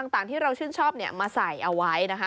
ที่เราชื่นชอบเนี่ยมาใส่เอาไว้นะคะ